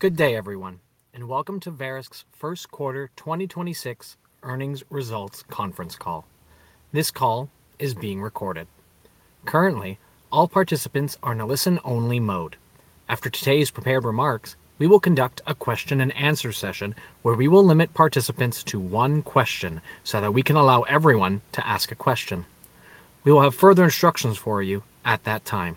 Good day, everyone, and welcome to Verisk's First Quarter 2026 Earnings Results Conference Call. This call is being recorded. Currently, all participants are in a listen only mode. After today's prepared remarks, we will conduct a question and answer session where we will limit participants to one question so that we can allow everyone to ask a question. We will have further instructions for you at that time.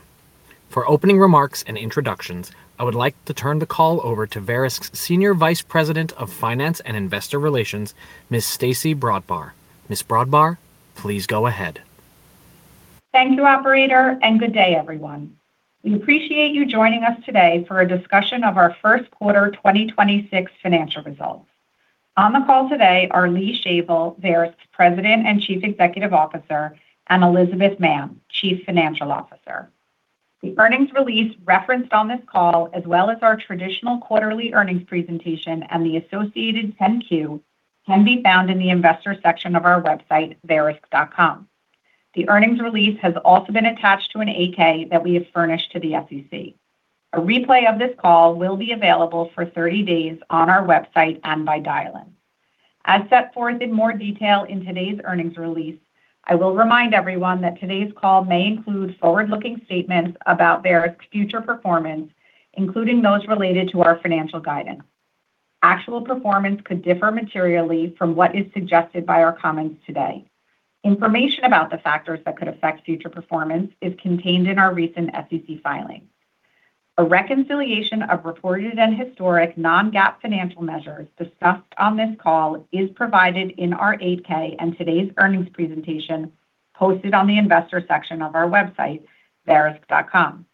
For opening remarks and introductions, I would like to turn the call over to Verisk's Senior Vice President of Finance and Investor Relations, Ms. Stacey Brodbar. Ms. Brodbar, please go ahead. Thank you Operator and good day everyone. We appreciate you joining us today for a discussion of our first quarter 2026 financial results. On the call today are Lee Shavel, Verisk's President and Chief Executive Officer, and Elizabeth Mann, Chief Financial Officer. The earnings release referenced on this call as well as our traditional quarterly earnings presentation and the associated 10-Q can be found in the investor section of our website, verisk.com. The earnings release has also been attached to an 8-K that we have furnished to the SEC. A replay of this call will be available for 30 days on our website and by dial-in. As set forth in more detail in today's earnings release, I will remind everyone that today's call may include forward-looking statements about Verisk's future performance, including those related to our financial guidance. Actual performance could differ materially from what is suggested by our comments today. Information about the factors that could affect future performance is contained in our recent SEC filings. A reconciliation of reported and historic non-GAAP financial measures discussed on this call is provided in our 8-K and today's earnings presentation posted on the investor section of our website, verisk.com.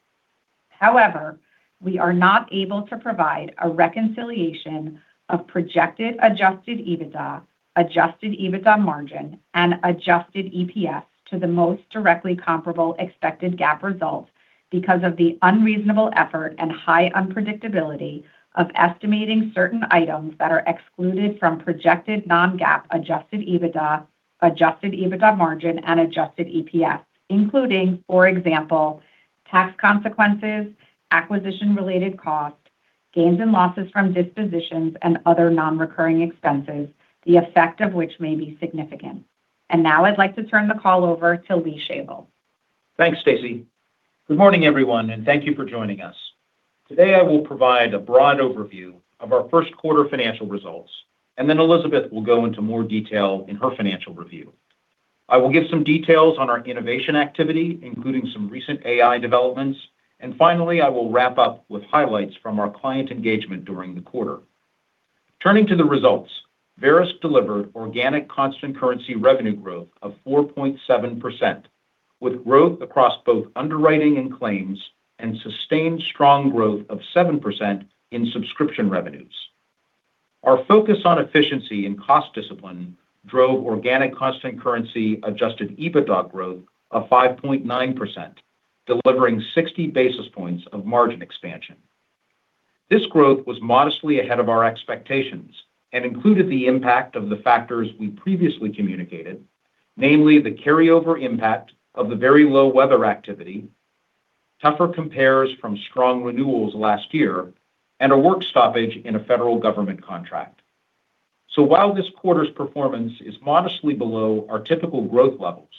However, we are not able to provide a reconciliation of projected Adjusted EBITDA, Adjusted EBITDA margin, and Adjusted EPS to the most directly comparable expected GAAP results because of the unreasonable effort and high unpredictability of estimating certain items that are excluded from projected non-GAAP Adjusted EBITDA, Adjusted EBITDA margin, and Adjusted EPS, including, for example, tax consequences, acquisition-related costs, gains and losses from dispositions and other non-recurring expenses, the effect of which may be significant. Now I'd like to turn the call over to Lee Shavel. Thanks Stacey. Good morning everyone and thank you for joining us. Today, I will provide a broad overview of our first quarter financial results. Elizabeth will go into more detail in her financial review. I will give some details on our innovation activity, including some recent AI developments. Finally, I will wrap up with highlights from our client engagement during the quarter. Turning to the results, Verisk delivered organic constant currency revenue growth of 4.7%, with growth across both underwriting and claims and sustained strong growth of 7% in subscription revenues. Our focus on efficiency and cost discipline drove organic constant currency Adjusted EBITDA growth of 5.9%, delivering 60 basis points of margin expansion. This growth was modestly ahead of our expectations and included the impact of the factors we previously communicated, namely the carryover impact of the very low weather activity, tougher compares from strong renewals last year, and a work stoppage in a federal government contract. While this quarter's performance is modestly below our typical growth levels,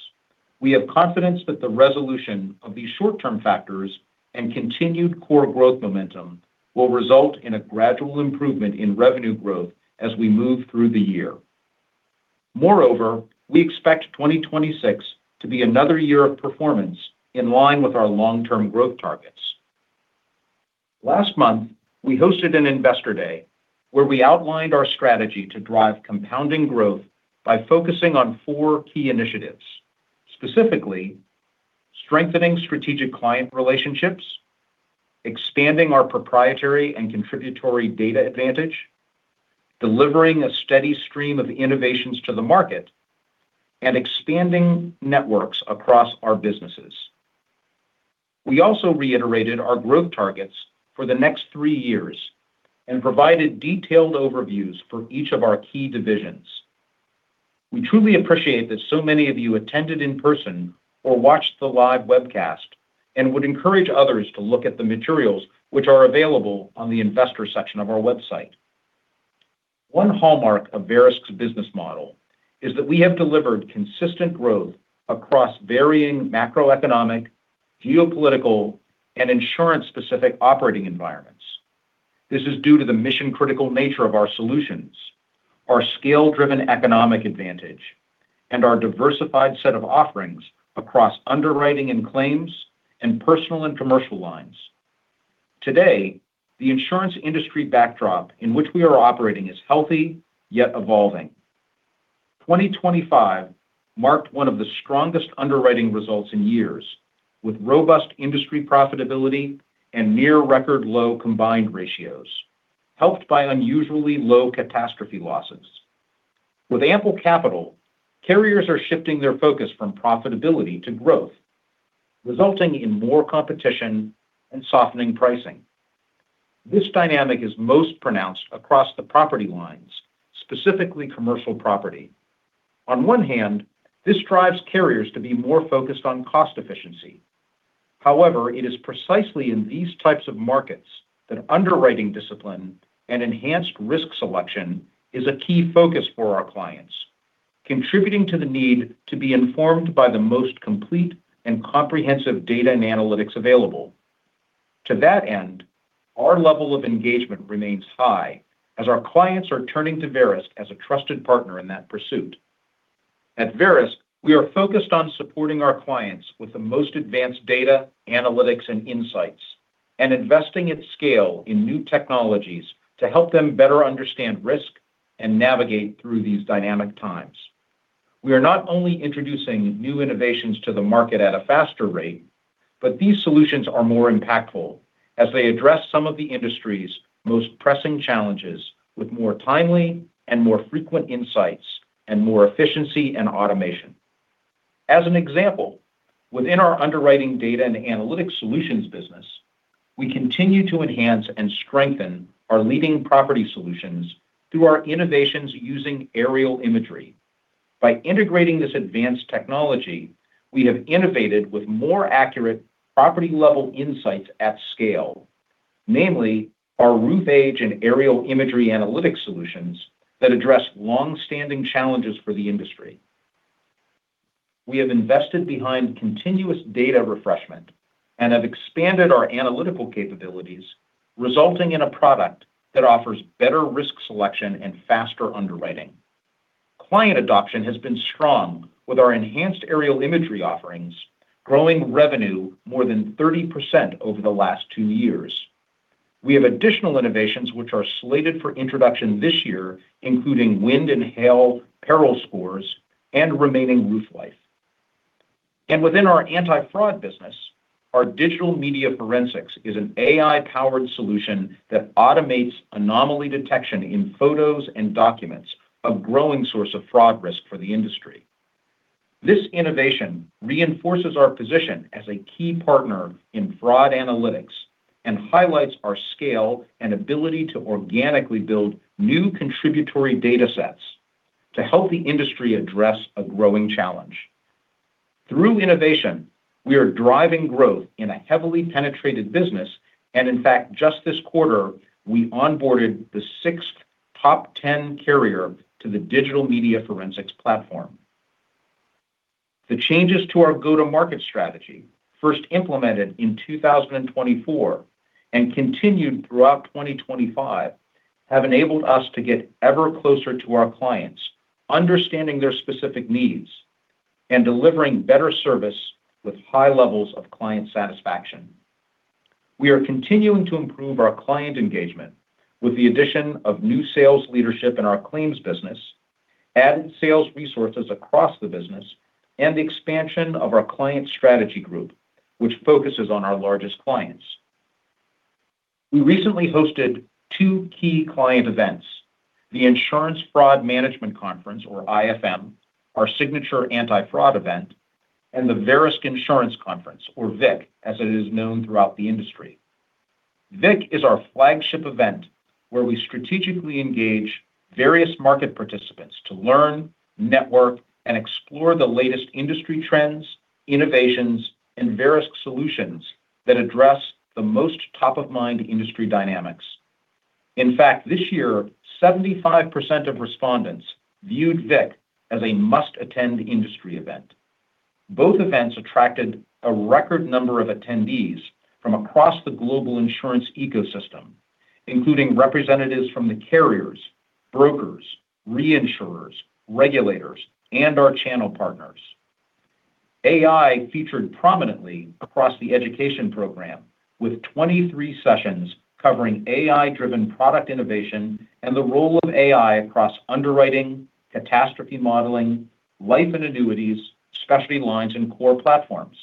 we have confidence that the resolution of these short-term factors and continued core growth momentum will result in a gradual improvement in revenue growth as we move through the year. We expect 2026 to be another year of performance in line with our long-term growth targets. Last month, we hosted an investor day where we outlined our strategy to drive compounding growth by focusing on four key initiatives. Specifically, strengthening strategic client relationships, expanding our proprietary and contributory data advantage, delivering a steady stream of innovations to the market, and expanding networks across our businesses. We also reiterated our growth targets for the next three years and provided detailed overviews for each of our key divisions. We truly appreciate that so many of you attended in person or watched the live webcast and would encourage others to look at the materials which are available on the investor section of our website. One hallmark of Verisk's business model is that we have delivered consistent growth across varying macroeconomic, geopolitical, and insurance-specific operating environments. This is due to the mission-critical nature of our solutions, our scale-driven economic advantage, and our diversified set of offerings across underwriting and claims and personal and commercial lines. Today, the insurance industry backdrop in which we are operating is healthy yet evolving. 2025 marked one of the strongest underwriting results in years, with robust industry profitability and near record low combined ratios, helped by unusually low catastrophe losses. With ample capital, carriers are shifting their focus from profitability to growth, resulting in more competition and softening pricing. This dynamic is most pronounced across the property lines, specifically commercial property. On one hand, this drives carriers to be more focused on cost efficiency. However, it is precisely in these types of markets that underwriting discipline and enhanced risk selection is a key focus for our clients, contributing to the need to be informed by the most complete and comprehensive data and analytics available. To that end, our level of engagement remains high as our clients are turning to Verisk as a trusted partner in that pursuit. At Verisk, we are focused on supporting our clients with the most advanced data, analytics, and insights and investing at scale in new technologies to help them better understand risk and navigate through these dynamic times. We are not only introducing new innovations to the market at a faster rate, but these solutions are more impactful as they address some of the industry's most pressing challenges with more timely and more frequent insights and more efficiency and automation. As an example, within our underwriting data and analytics solutions business, we continue to enhance and strengthen our leading property solutions through our innovations using aerial imagery. By integrating this advanced technology, we have innovated with more accurate property-level insights at scale, namely our roof age and aerial imagery analytics solutions that address longstanding challenges for the industry. We have invested behind continuous data refreshment and have expanded our analytical capabilities, resulting in a product that offers better risk selection and faster underwriting. Client adoption has been strong with our enhanced aerial imagery offerings growing revenue more than 30% over the last two years. We have additional innovations which are slated for introduction this year, including wind and hail peril scores and remaining roof life. Within our anti-fraud business, our Digital Media Forensics is an AI-powered solution that automates anomaly detection in photos and documents, a growing source of fraud risk for the industry. This innovation reinforces our position as a key partner in fraud analytics and highlights our scale and ability to organically build new contributory data sets to help the industry address a growing challenge. Through innovation, we are driving growth in a heavily penetrated business, and in fact, just this quarter, we onboarded the sixth top 10 carrier to the Digital Media Forensics platform. The changes to our go-to-market strategy, first implemented in 2024 and continued throughout 2025, have enabled us to get ever closer to our clients, understanding their specific needs and delivering better service with high levels of client satisfaction. We are continuing to improve our client engagement with the addition of new sales leadership in our claims business, added sales resources across the business, and the expansion of our client strategy group, which focuses on our largest clients. We recently hosted two key client events, the Insurance Fraud Management Conference, or IFM, our signature anti-fraud event, and the Verisk Insurance Conference, or VIC, as it is known throughout the industry. VIC is our flagship event where we strategically engage various market participants to learn, network and explore the latest industry trends, innovations, and Verisk solutions that address the most top-of-mind industry dynamics. In fact, this year, 75% of respondents viewed VIC as a must-attend industry event. Both events attracted a record number of attendees from across the global insurance ecosystem, including representatives from the carriers, brokers, reinsurers, regulators, and our channel partners. AI featured prominently across the education program with 23 sessions covering AI-driven product innovation and the role of AI across underwriting, catastrophe modeling, life and annuities, specialty lines, and core platforms.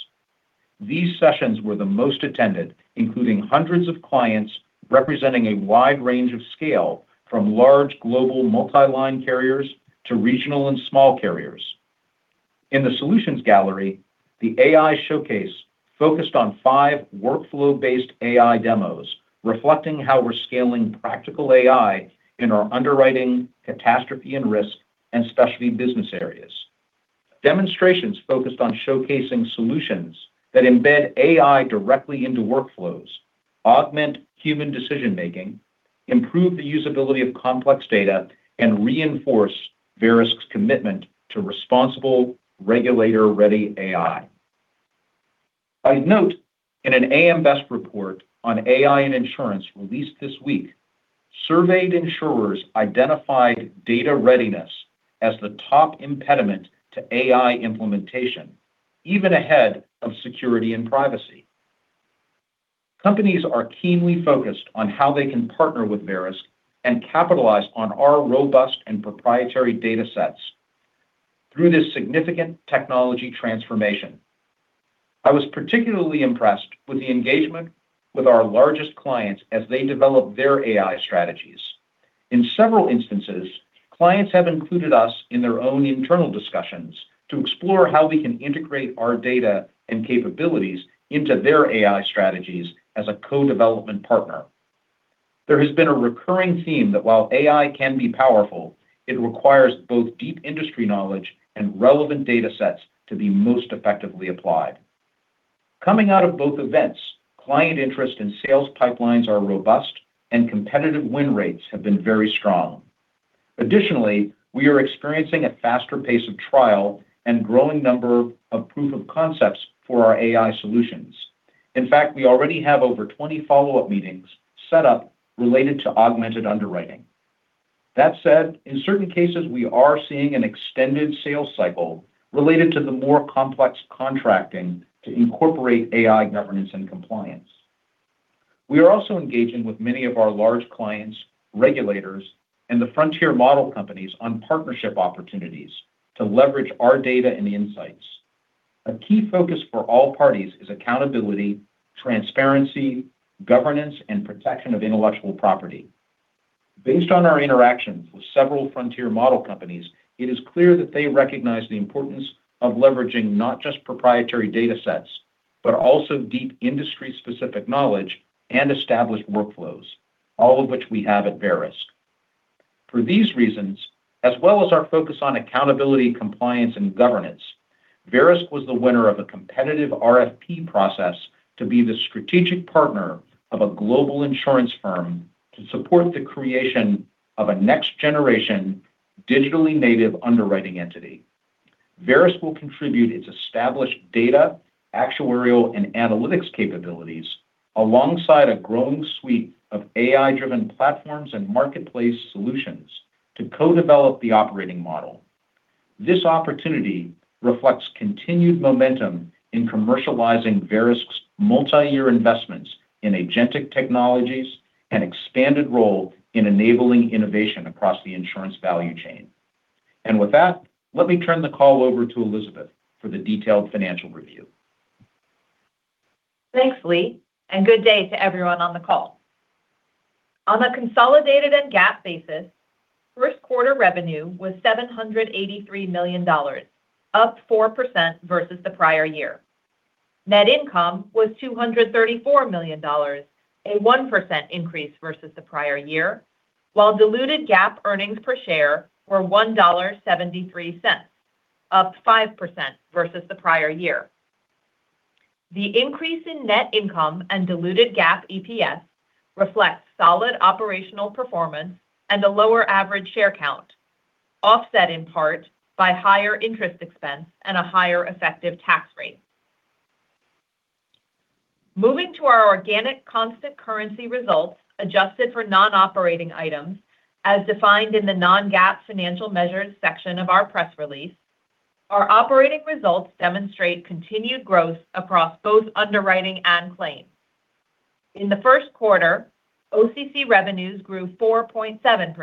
These sessions were the most attended, including hundreds of clients representing a wide range of scale from large global multi-line carriers to regional and small carriers. In the solutions gallery, the AI showcase focused on five workflow-based AI demos reflecting how we're scaling practical AI in our underwriting, catastrophe and risk, and specialty business areas. Demonstrations focused on showcasing solutions that embed AI directly into workflows, augment human decision-making, improve the usability of complex data, and reinforce Verisk's commitment to responsible regulator-ready AI. I'd note in an AM Best report on AI and insurance released this week, surveyed insurers identified data readiness as the top impediment to AI implementation, even ahead of security and privacy. Companies are keenly focused on how they can partner with Verisk and capitalize on our robust and proprietary data sets through this significant technology transformation. I was particularly impressed with the engagement with our largest clients as they develop their AI strategies. In several instances, clients have included us in their own internal discussions to explore how we can integrate our data and capabilities into their AI strategies as a co-development partner. There has been a recurring theme that while AI can be powerful, it requires both deep industry knowledge and relevant data sets to be most effectively applied. Coming out of both events, client interest and sales pipelines are robust, and competitive win rates have been very strong. Additionally, we are experiencing a faster pace of trial and growing number of proof of concepts for our AI solutions. In fact, we already have over 20 follow-up meetings set up related to Augmented Underwriting. That said, in certain cases we are seeing an extended sales cycle related to the more complex contracting to incorporate AI governance and compliance. We are also engaging with many of our large clients, regulators, and the frontier model companies on partnership opportunities to leverage our data and insights. A key focus for all parties is accountability, transparency, governance, and protection of intellectual property. Based on our interactions with several frontier model companies, it is clear that they recognize the importance of leveraging not just proprietary data sets, but also deep industry-specific knowledge and established workflows, all of which we have at Verisk. For these reasons, as well as our focus on accountability, compliance and governance, Verisk was the winner of a competitive RFP process to be the strategic partner of a global insurance firm to support the creation of a next generation digitally native underwriting entity. Verisk will contribute its established data, actuarial, and analytics capabilities alongside a growing suite of AI-driven platforms and marketplace solutions to co-develop the operating model. This opportunity reflects continued momentum in commercializing Verisk's multi-year investments in agentic technologies and expanded role in enabling innovation across the insurance value chain. With that, let me turn the call over to Elizabeth for the detailed financial review. Thanks Lee and good day to everyone on the call. On a consolidated and GAAP basis, first quarter revenue was $783 million, up 4% versus the prior year. Net income was $234 million, a 1% increase versus the prior year, while diluted GAAP EPS were $1.73, up 5% versus the prior year. The increase in net income and diluted GAAP EPS reflects solid operational performance and a lower average share count, offset in part by higher interest expense and a higher effective tax rate. Moving to our organic constant currency results adjusted for non-operating items as defined in the non-GAAP financial measures section of our press release, our operating results demonstrate continued growth across both underwriting and claims. In the first quarter, OCC revenues grew 4.7%,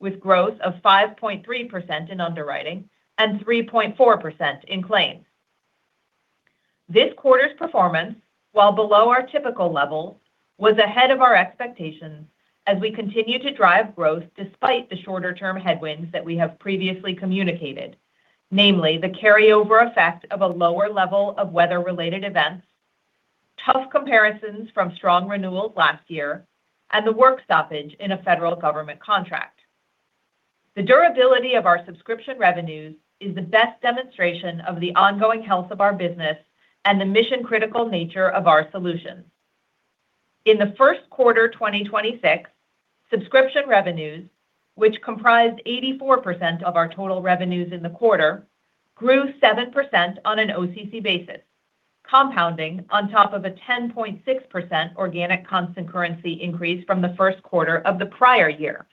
with growth of 5.3% in underwriting and 3.4% in claims. This quarter's performance, while below our typical level, was ahead of our expectations as we continue to drive growth despite the shorter-term headwinds that we have previously communicated, namely the carryover effect of a lower level of weather-related events, tough comparisons from strong renewals last year, and the work stoppage in a federal government contract. The durability of our subscription revenues is the best demonstration of the ongoing health of our business and the mission-critical nature of our solutions. In the first quarter 2026, subscription revenues, which comprised 84% of our total revenues in the quarter, grew 7% on an OCC basis, compounding on top of a 10.6% organic constant currency increase from the first quarter of the prior year.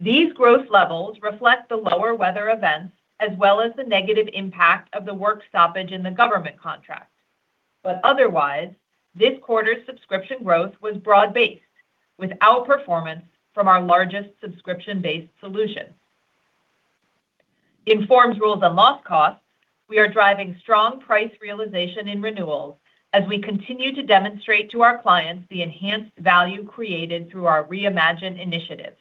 These gross levels reflect the lower weather events, as well as the negative impact of the work stoppage in the government contract, But otherwise, this quarter's subscription growth was broad-based with our performance from our largest subscription-based solutions. In forms, rules, and loss costs, we are driving strong price realization in renewals as we continue to demonstrate to our clients the enhanced value created through our Reimagine initiative.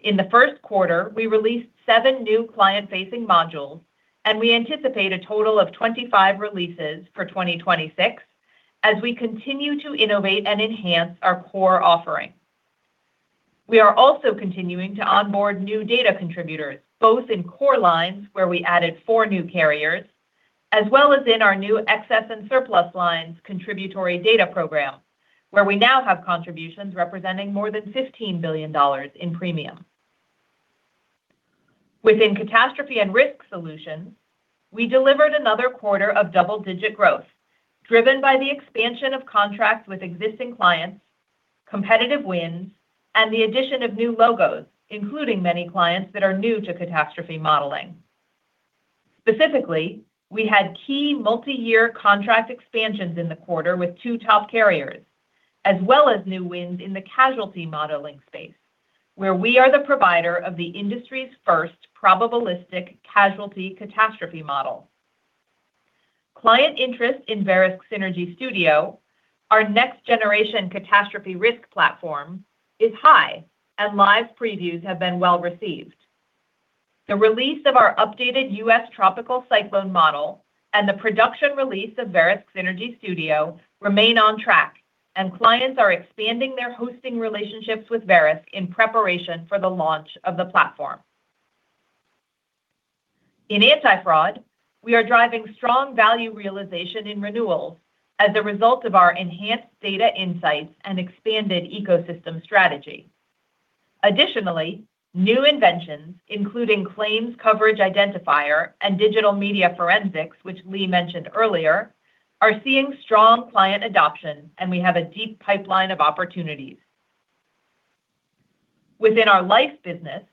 In the first quarter, we released seven new client-facing modules, and we anticipate a total of 25 releases for 2026 as we continue to innovate and enhance our core offering. We are also continuing to onboard new data contributors, both in core lines where we added four new carriers, as well as in our new excess and surplus lines contributory data program, where we now have contributions representing more than $15 billion in premium. Within catastrophe and risk solutions, we delivered another quarter of double-digit growth driven by the expansion of contracts with existing clients, competitive wins, and the addition of new logos, including many clients that are new to catastrophe modeling. Specifically, we had key multi-year contract expansions in the quarter with two top carriers, as well as new wins in the casualty modeling space, where we are the provider of the industry's first probabilistic casualty catastrophe model. Client interest in Verisk Synergy Studio, our next generation catastrophe risk platform, is high and live previews have been well-received. The release of our updated U.S. Tropical Cyclone Model and the production release of Verisk Synergy Studio remain on track, and clients are expanding their hosting relationships with Verisk in preparation for the launch of the platform. In anti-fraud, we are driving strong value realization in renewals as a result of our enhanced data insights and expanded ecosystem strategy. Additionally, new inventions, including Claims Coverage Identifier and Digital Media Forensics, which Lee mentioned earlier, are seeing strong client adoption, and we have a deep pipeline of opportunities. Within our life business,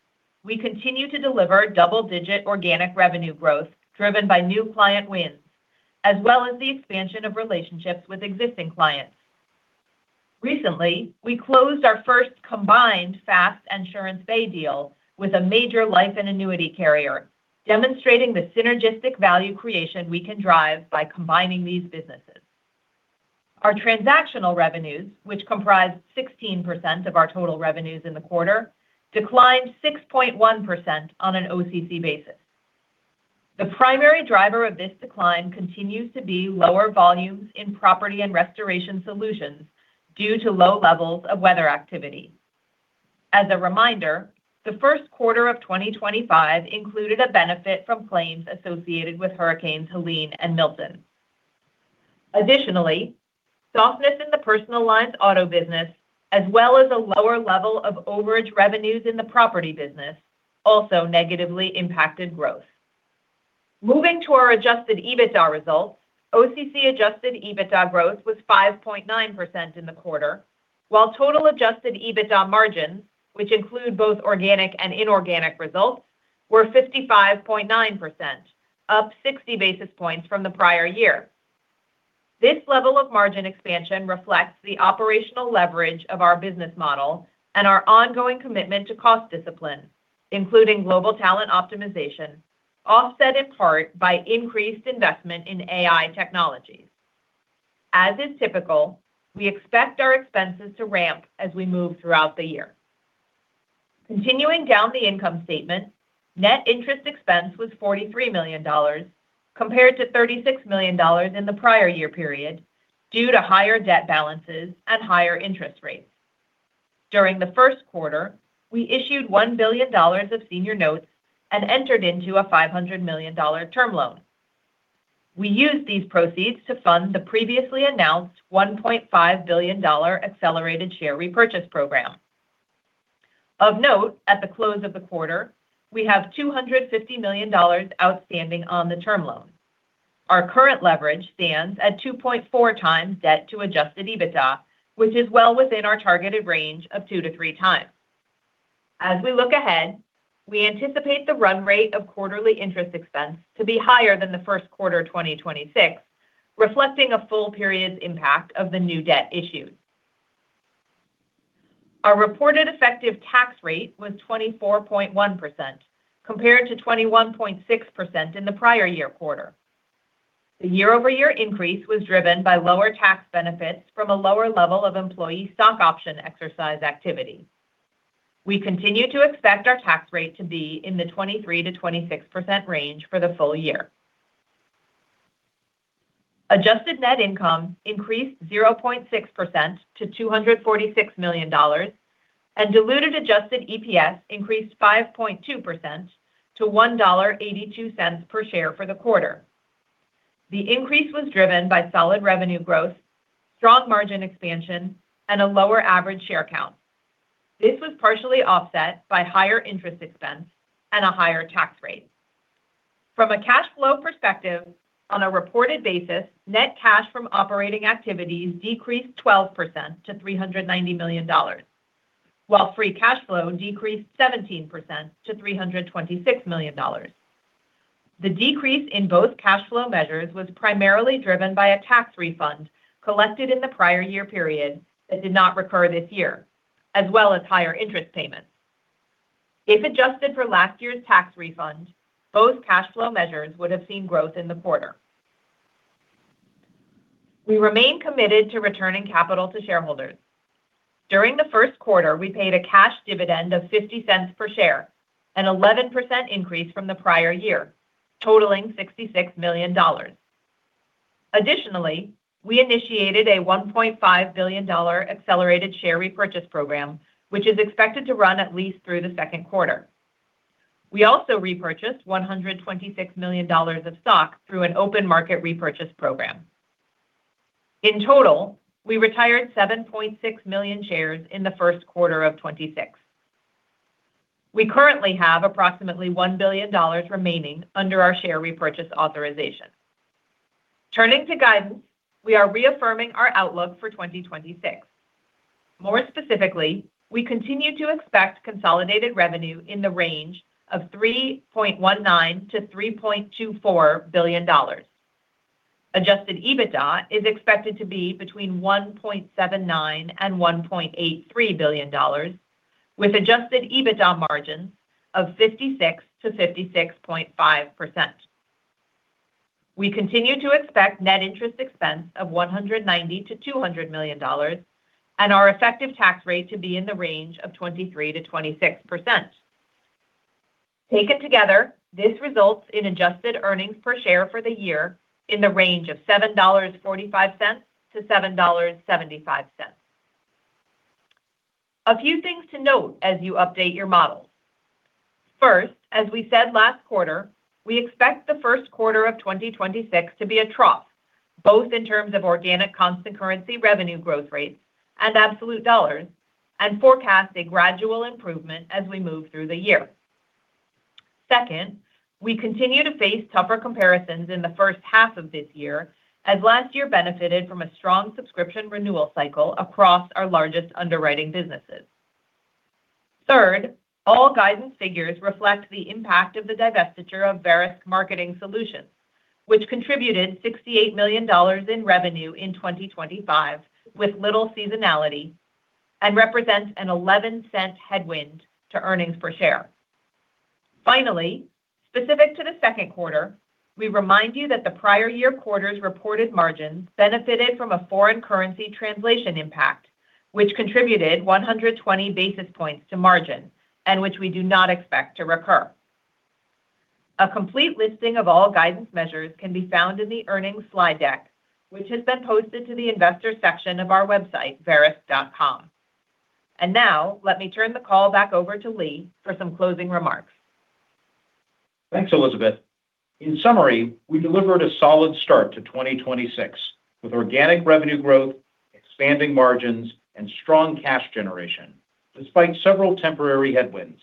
we continue to deliver double-digit organic revenue growth driven by new client wins, as well as the expansion of relationships with existing clients. Recently, we closed our first combined FAST SuranceBay deal with a major life and annuity carrier, demonstrating the synergistic value creation we can drive by combining these businesses. Our transactional revenues, which comprise 16% of our total revenues in the quarter, declined 6.1% on an OCC basis. The primary driver of this decline continues to be lower volumes in property and restoration solutions due to low levels of weather activity. As a reminder, the first quarter of 2025 included a benefit from claims associated with Hurricane Helene and Hurricane Milton. Additionally, softness in the personal lines auto business, as well as a lower level of overage revenues in the property business, also negatively impacted growth. Moving to our Adjusted EBITDA results, OCC Adjusted EBITDA growth was 5.9% in the quarter, while total Adjusted EBITDA margins, which include both organic and inorganic results, were 55.9%, up 60 basis points from the prior year. This level of margin expansion reflects the operational leverage of our business model and our ongoing commitment to cost discipline, including global talent optimization, offset in part by increased investment in AI technologies. As is typical, we expect our expenses to ramp as we move throughout the year. Continuing down the income statement, net interest expense was $43 million compared to $36 million in the prior year period due to higher debt balances and higher interest rates. During the first quarter, we issued $1 billion of senior notes and entered into a $500 million term loan. We used these proceeds to fund the previously announced $1.5 billion accelerated share repurchase program. Of note, at the close of the quarter, we have $250 million outstanding on the term loan. Our current leverage stands at two point four times debt to Adjusted EBITDA, which is well within our targeted range of two to three times. We anticipate the run rate of quarterly interest expense to be higher than the first quarter of 2026, reflecting a full period's impact of the new debt issued. Our reported effective tax rate was 24.1%, compared to 21.6% in the prior year quarter. The year-over-year increase was driven by lower tax benefits from a lower level of employee stock option exercise activity. We continue to expect our tax rate to be in the 23%-26% range for the full year. Adjusted net income increased 0.6% to $246 million and diluted Adjusted EPS increased 5.2% to $1.82 per share for the quarter. The increase was driven by solid revenue growth, strong margin expansion, and a lower average share count. This was partially offset by higher interest expense and a higher tax rate. From a cash flow perspective, on a reported basis, net cash from operating activities decreased 12% to $390 million, while free cash flow decreased 17% to $326 million. The decrease in both cash flow measures was primarily driven by a tax refund collected in the prior year period that did not recur this year, as well as higher interest payments. If adjusted for last year's tax refund, both cash flow measures would have seen growth in the quarter. We remain committed to returning capital to shareholders. During the first quarter, we paid a cash dividend of $0.50 per share, an 11% increase from the prior year, totaling $66 million. Additionally, we initiated a $1.5 billion accelerated share repurchase program, which is expected to run at least through the second quarter. We also repurchased $126 million of stock through an open market repurchase program. In total, we retired 7.6 million shares in the first quarter of 2026. We currently have approximately $1 billion remaining under our share repurchase authorization. Turning to guidance, we are reaffirming our outlook for 2026. More specifically, we continue to expect consolidated revenue in the range of $3.19 billion-$3.24 billion. Adjusted EBITDA is expected to be between $1.79 billion and $1.83 billion, with Adjusted EBITDA margins of 56%-56.5%. We continue to expect net interest expense of $190 million-$200 million and our effective tax rate to be in the range of 23%-26%. Taken together, this results in adjusted earnings per share for the year in the range of $7.45-$7.75. A few things to note as you update your models. First, as we said last quarter, we expect the first quarter of 2026 to be a trough, both in terms of organic constant currency revenue growth rates and absolute dollars and forecast a gradual improvement as we move through the year. Second, we continue to face tougher comparisons in the H1 of this year, as last year benefited from a strong subscription renewal cycle across our largest underwriting businesses. Third, all guidance figures reflect the impact of the divestiture of Verisk Marketing Solutions, which contributed $68 million in revenue in 2025 with little seasonality and represents an $0.11 headwind to earnings per share. Finally, specific to the second quarter, we remind you that the prior year quarter's reported margins benefited from a foreign currency translation impact, which contributed 120 basis points to margin, and which we do not expect to recur. A complete listing of all guidance measures can be found in the earnings slide deck, which has been posted to the investor section of our website, verisk.com. Now let me turn the call back over to Lee for some closing remarks. Thanks Elizabeth. In summary, we delivered a solid start to 2026 with organic revenue growth, expanding margins, and strong cash generation despite several temporary headwinds.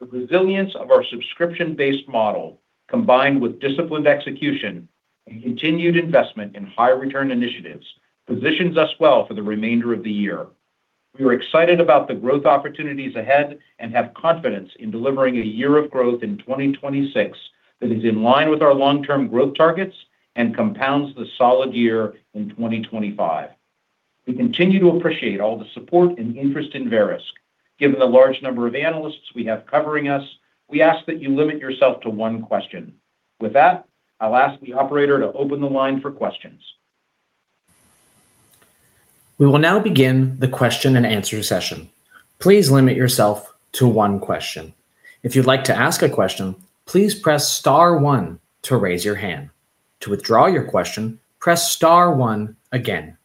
The resilience of our subscription-based model, combined with disciplined execution and continued investment in high return initiatives, positions us well for the remainder of the year. We are excited about the growth opportunities ahead and have confidence in delivering a year of growth in 2026 that is in line with our long-term growth targets and compounds the solid year in 2025. We continue to appreciate all the support and interest in Verisk. Given the large number of Analysts we have covering us, we ask that you limit yourself to one question. With that, I'll ask the operator to open the line for questions. We will now begin the question and answer session. Please limit yourself to one question. If you'd like to ask a question, please press star one to raise your hand. To withdraw your question, press star one again.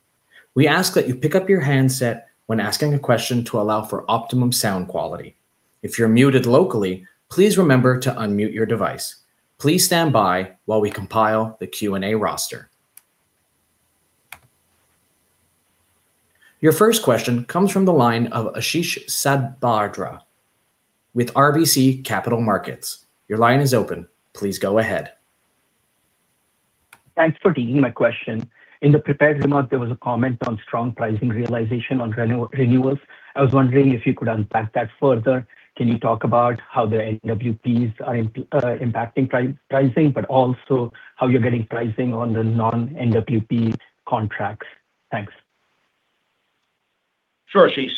We ask that you pick up your handset when asking a question to allow for optimum sound quality. If you're muted locally, please remember to unmute your device. Please stand by while we compile the Q&A roster. Your first question comes from the line of Ashish Sabadra with RBC Capital Markets. Your line is open. Please go ahead. Thanks for taking my question. In the prepared remarks, there was a comment on strong pricing realization on renewals. I was wondering if you could unpack that further. Can you talk about how the NWPs are impacting pricing, but also how you're getting pricing on the non-NWP contracts? Thanks. Sure, Ashish.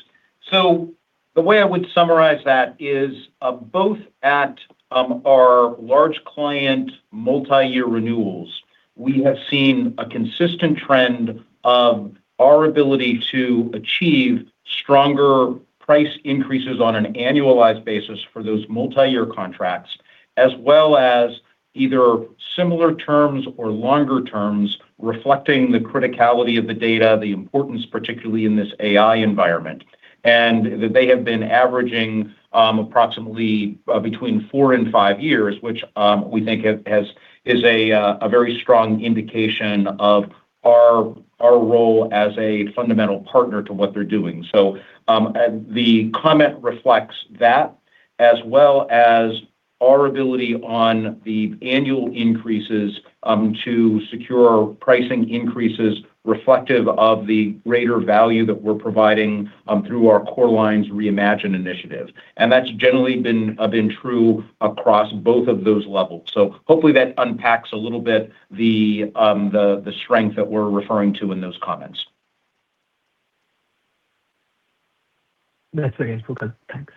The way I would summarize that is, both at our large client multi-year renewals, we have seen a consistent trend of our ability to achieve stronger price increases on an annualized basis for those multi-year contracts, as well as either similar terms or longer terms reflecting the criticality of the data, the importance, particularly in this AI environment. They have been averaging approximately between four and five years, which we think has is a very strong indication of our role as a fundamental partner to what they're doing. The comment reflects that as well as our ability on the annual increases to secure pricing increases reflective of the greater value that we're providing through our Core Lines Reimagine initiative. That's generally been true across both of those levels. Hopefully that unpacks a little bit the strength that we're referring to in those comments. That's okay. It's okay. Thanks.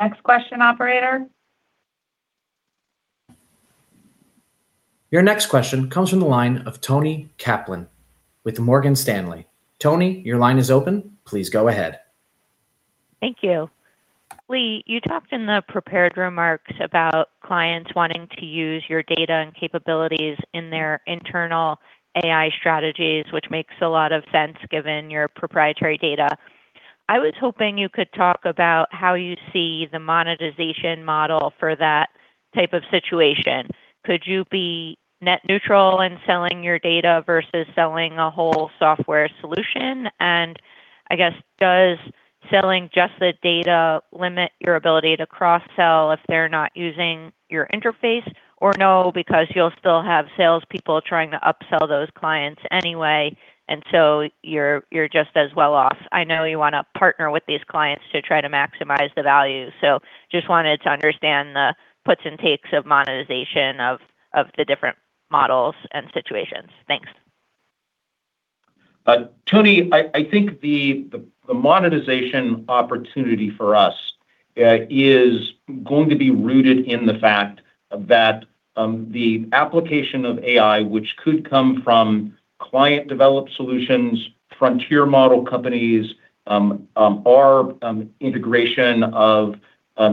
Next question, operator. Your next question comes from the line of Toni Kaplan with Morgan Stanley. Toni, your line is open. Please go ahead. Thank you. Lee, you talked in the prepared remarks about clients wanting to use your data and capabilities in their internal AI strategies, which makes a lot of sense given your proprietary data. I was hoping you could talk about how you see the monetization model for that type of situation. Could you be net neutral in selling your data versus selling a whole software solution? I guess, does selling just the data limit your ability to cross-sell if they're not using your interface? No, because you'll still have sales people trying to upsell those clients anyway, and so you're just as well off. I know you wanna partner with these clients to try to maximize the value. Just wanted to understand the puts and takes of monetization of the different models and situations. Thanks. Toni, I think the monetization opportunity for us is going to be rooted in the fact that the application of AI, which could come from client-developed solutions, frontier model companies, our integration of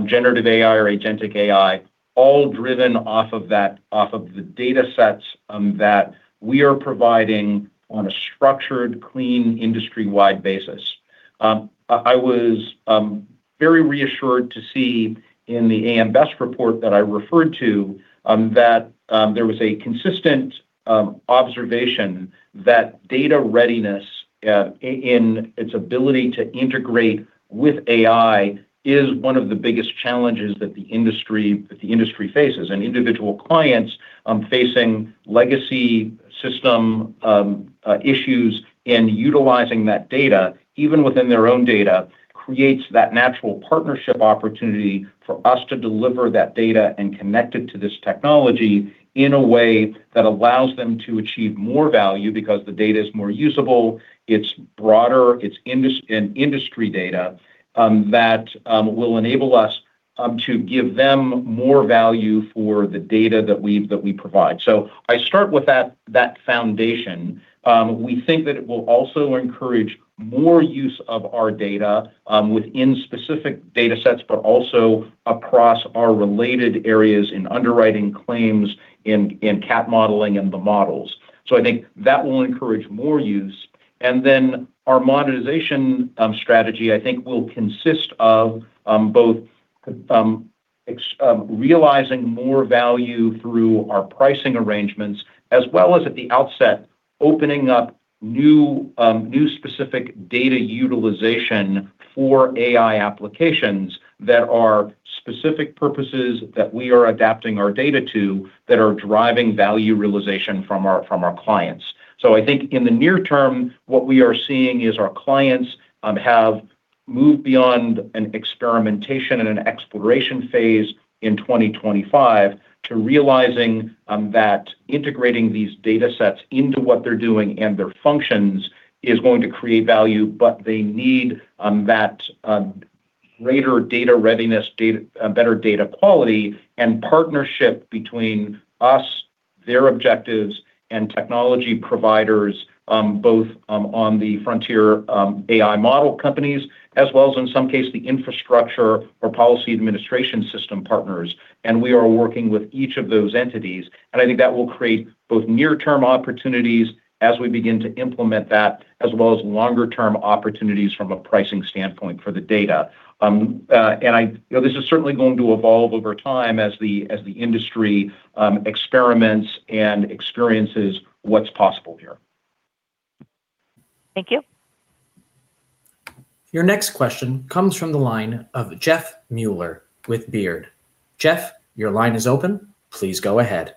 generative AI or agentic AI, all driven off of the data sets that we are providing on a structured, clean, industry-wide basis. I was very reassured to see in the AM Best report that I referred to that there was a consistent observation that data readiness in its ability to integrate with AI is one of the biggest challenges that the industry faces. Individual clients, facing legacy system issues in utilizing that data, even within their own data, creates that natural partnership opportunity for us to deliver that data and connect it to this technology in a way that allows them to achieve more value because the data is more usable, it's broader, it's in-industry data, that will enable us to give them more value for the data that we've, that we provide. I start with that foundation. We think that it will also encourage more use of our data, within specific data sets, but also across our related areas in underwriting claims in CAT modeling and the models. Our monetization strategy, I think will consist of both realizing more value through our pricing arrangements, as well as at the outset, opening up new specific data utilization for AI applications that are specific purposes that we are adapting our data to, that are driving value realization from our clients. I think in the near term, what we are seeing is our clients have moved beyond an experimentation and an exploration phase in 2025 to realizing that integrating these data sets into what they're doing and their functions is going to create value. They need that greater data readiness data, better data quality and partnership between us, their objectives, and technology providers, both on the frontier, AI model companies, as well as in some case, the infrastructure or policy administration system partners, and we are working with each of those entities. I think that will create both near-term opportunities as we begin to implement that, as well as longer-term opportunities from a pricing standpoint for the data. I, this is certainly going to evolve over time as the industry experiments and experiences what's possible here. Thank you. Your next question comes from the line of Jeff Meuler with Baird. Jeff, your line is open. Please go ahead.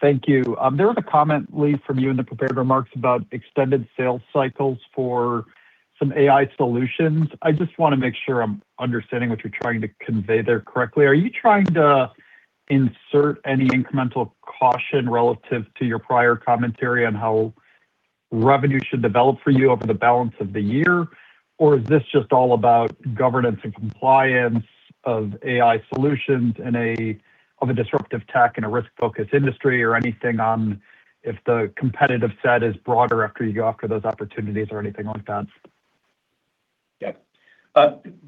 Thank you. There was a comment, Lee, from you in the prepared remarks about extended sales cycles for some AI solutions. I just wanna make sure I'm understanding what you're trying to convey there correctly. Are you trying to insert any incremental caution relative to your prior commentary on how revenue should develop for you over the balance of the year? Or is this just all about governance and compliance of AI solutions of a disruptive tech in a risk-focused industry or anything on if the competitive set is broader after you go after those opportunities or anything like that?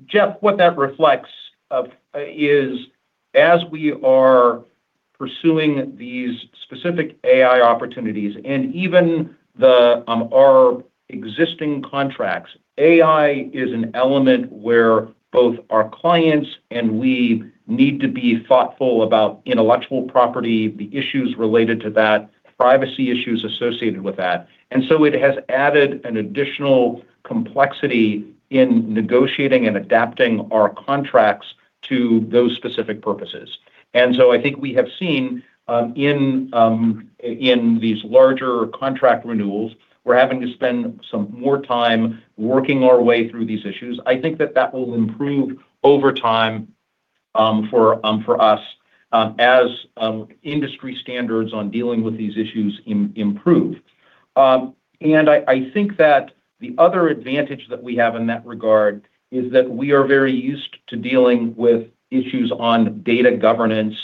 Jeff, what that reflects is as we are pursuing these specific AI opportunities and even the our existing contracts, AI is an element where both our clients and we need to be thoughtful about intellectual property, the issues related to that, privacy issues associated with that. It has added an additional complexity in negotiating and adapting our contracts to those specific purposes. I think we have seen in these larger contract renewals, we're having to spend some more time working our way through these issues. I think that that will improve over time for us as industry standards on dealing with these issues improve. And I think that the other advantage that we have in that regard is that we are very used to dealing with issues on data governance,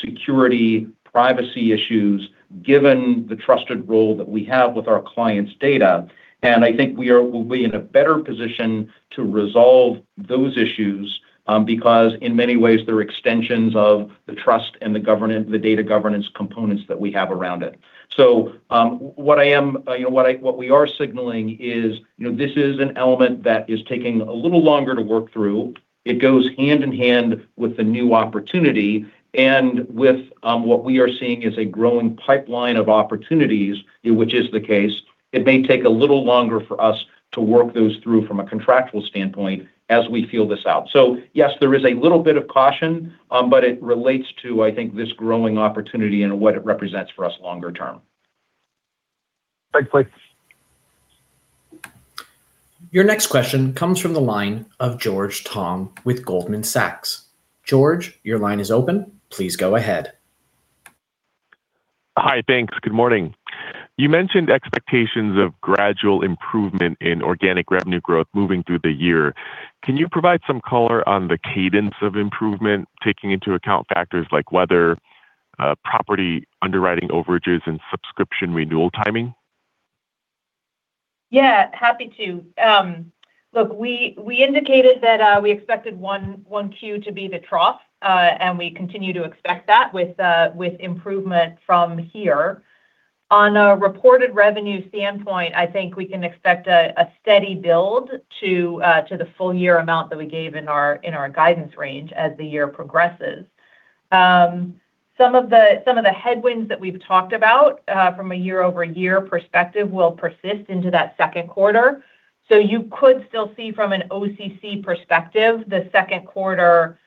security, privacy issues, given the trusted role that we have with our clients' data. And I think we'll be in a better position to resolve those issues because in many ways, they're extensions of the trust and the governance, the data governance components that we have around it. You know, what we are signaling is, you know, this is an element that is taking a little longer to work through. It goes hand in hand with the new opportunity and with what we are seeing is a growing pipeline of opportunities, which is the case. It may take a little longer for us to work those through from a contractual standpoint as we feel this out. Yes, there is a little bit of caution, but it relates to, I think, this growing opportunity and what it represents for us longer term. Thanks, Lee. Your next question comes from the line of George Tong with Goldman Sachs. George, your line is open. Please go ahead. Hi. Thanks. Good morning. You mentioned expectations of gradual improvement in organic revenue growth moving through the year. Can you provide some color on the cadence of improvement, taking into account factors like weather, property underwriting overages and subscription renewal timing? Yeah, happy to. Look, we indicated that we expected 1Q to be the trough, and we continue to expect that with improvement from here. On a reported revenue standpoint, I think we can expect a steady build to the full year amount that we gave in our guidance range as the year progresses. Some of the headwinds that we've talked about from a year-over-year perspective will persist into that second quarter. You could still see from an OCC perspective the second quarter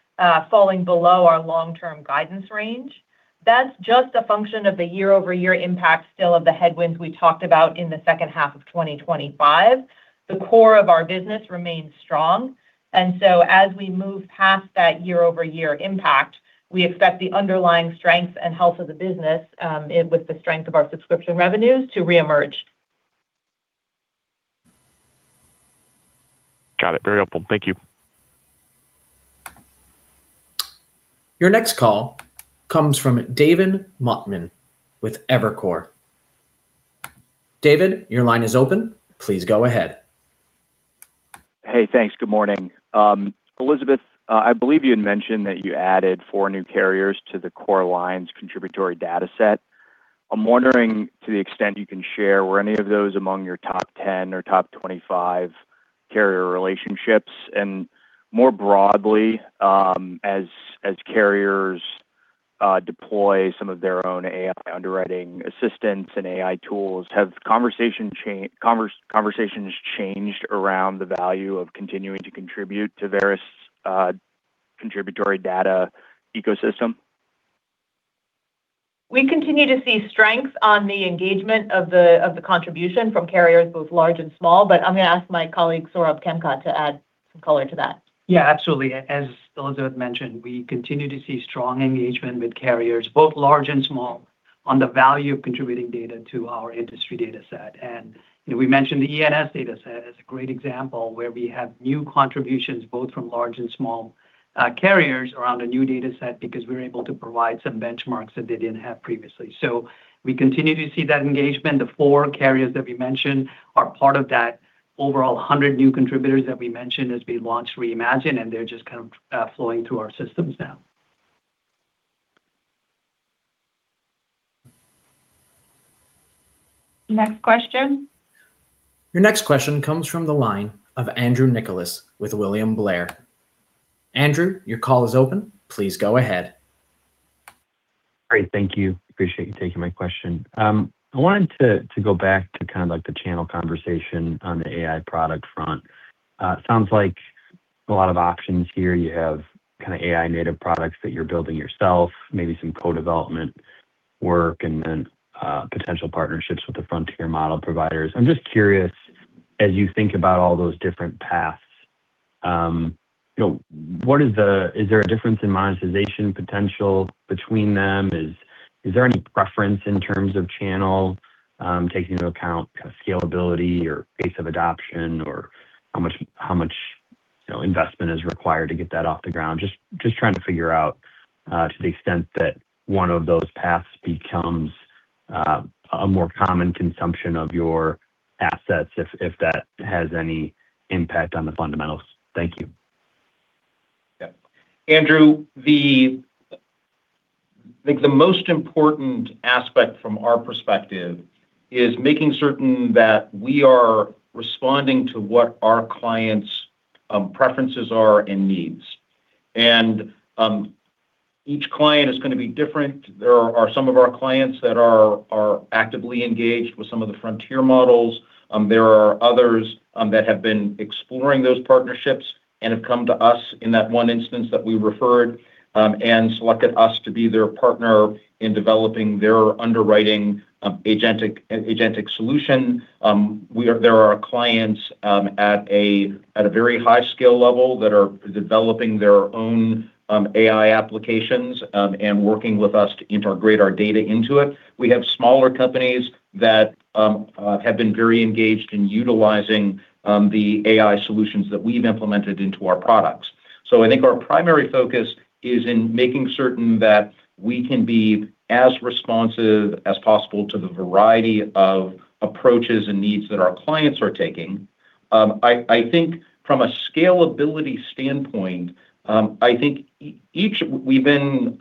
falling below our long-term guidance range. That's just a function of the year-over-year impact still of the headwinds we talked about in the H2 of 2025. The core of our business remains strong. As we move past that year-over-year impact, we expect the underlying strength and health of the business, with the strength of our subscription revenues to reemerge. Got it. Very helpful. Thank you. Your next call comes from David Motemaden with Evercore. David, your line is open. Please go ahead. Hey, thanks. Good morning. Elizabeth, I believe you had mentioned that you added four new carriers to the Core Lines contributory data set. I'm wondering, to the extent you can share, were any of those among your top 10 or top 25 carrier relationships? More broadly, as carriers deploy some of their own AI underwriting assistance and AI tools, have conversations changed around the value of continuing to contribute to Verisk's contributory data ecosystem? We continue to see strength on the engagement of the contribution from carriers both large and small, but I'm gonna ask my colleague, Saurabh Khemka, to add some color to that. Yeah, absolutely. As Elizabeth mentioned, we continue to see strong engagement with carriers, both large and small, on the value of contributing data to our industry data set. You know, we mentioned the E&S data set as a great example where we have new contributions both from large and small carriers around a new data set because we're able to provide some benchmarks that they didn't have previously. We continue to see that engagement. The four carriers that we mentioned are part of that overall 100 new contributors that we mentioned as we launched Reimagined, and they're just kind of flowing through our systems now. Next question. Your next question comes from the line of Andrew Nicholas with William Blair. Andrew, your call is open. Please go ahead. Great. Thank you. Appreciate you taking my question. I wanted to go back to kind of like the channel conversation on the AI product front. Sounds like a lot of options here. You have kind of AI native products that you're building yourself, maybe some co-development work and then potential partnerships with the frontier model providers. I'm just curious, as you think about all those different paths, you know, is there a difference in monetization potential between them? Is there any preference in terms of channel, taking into account kind of scalability or pace of adoption or how much, you know, investment is required to get that off the ground? Just trying to figure out to the extent that one of those paths becomes a more common consumption of your assets, if that has any impact on the fundamentals. Thank you. Yeah. Andrew, I think the most important aspect from our perspective is making certain that we are responding to what our clients' preferences are and needs. Each client is gonna be different. There are some of our clients that are actively engaged with some of the frontier models. There are others that have been exploring those partnerships and have come to us in that one instance that we referred and selected us to be their partner in developing their underwriting agentic solution. There are clients at a very high skill level that are developing their own AI applications and working with us to integrate our data into it. We have smaller companies that have been very engaged in utilizing the AI solutions that we've implemented into our products. I think our primary focus is in making certain that we can be as responsive as possible to the variety of approaches and needs that our clients are taking. I think from a scalability standpoint, We've been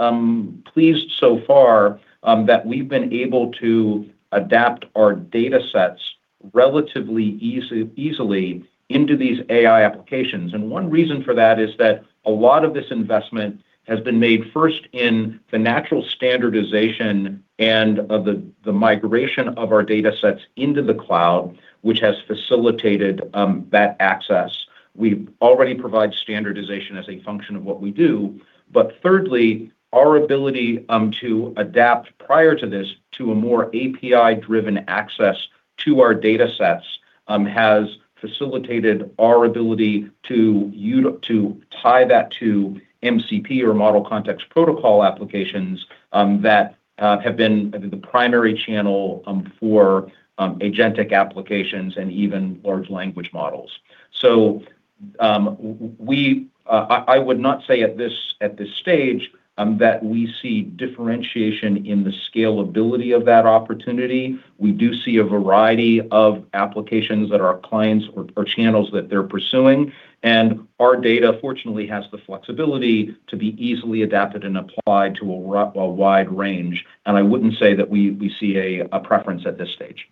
pleased so far that we've been able to adapt our data sets relatively easily into these AI applications. One reason for that is that a lot of this investment has been made first in the natural standardization and of the migration of our data sets into the cloud, which has facilitated that access. We already provide standardization as a function of what we do. Thirdly, our ability to adapt prior to this to a more API-driven access to our data sets has facilitated our ability to tie that to MCP or Model Context Protocol applications that have been the primary channel for agentic applications and even large language models. I would not say at this stage that we see differentiation in the scalability of that opportunity. We do see a variety of applications that our clients or channels that they're pursuing, and our data fortunately has the flexibility to be easily adapted and applied to a wide range. I wouldn't say that we see a preference at this stage.